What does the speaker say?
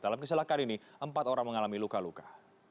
dalam kecelakaan ini empat orang mengalami luka luka